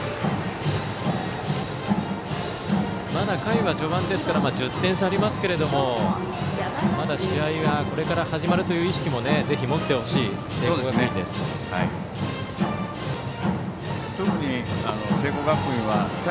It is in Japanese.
まだ回は序盤ですから１０点差ありますけれどもまだ試合はこれから始まるという意識もぜひ持ってほしい聖光学院です。